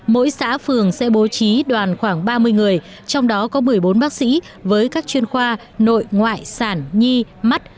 mỗi xã phường sẽ bố trí đoàn khoảng ba mươi người trong đó có một mươi bốn bác sĩ với các chuyên khoa nội ngoại sản nhi mắt